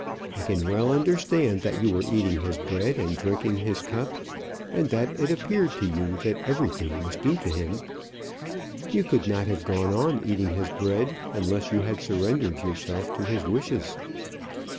I can well understand that you were eating his bread and drinking his cup, and that it appeared to you that everything was due to him. You could not have gone on eating his bread unless you had surrendered yourself to his wishes.